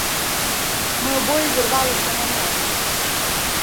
Ми обоє зірвалися на ноги.